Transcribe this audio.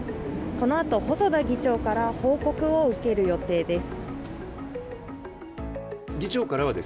このあと、細田議長から報告を受ける予定です。